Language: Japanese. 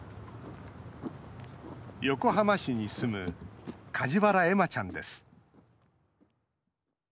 横浜市に住む梶原恵麻ちゃんです。